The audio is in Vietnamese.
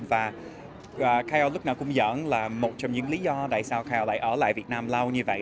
và kayo lúc nào cũng giỡn là một trong những lý do tại sao kayo lại ở lại việt nam lâu như vậy